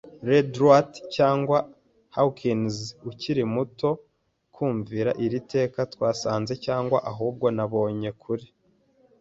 Redruth cyangwa Hawkins ukiri muto. ” Kumvira iri teka, twasanze, cyangwa ahubwo nabonye - kuri